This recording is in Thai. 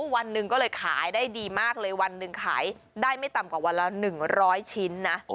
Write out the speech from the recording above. วันหนึ่งก็เลยขายได้ดีมากเลยวันหนึ่งขายได้ไม่ต่ำกว่าวันละ๑๐๐ชิ้นนะ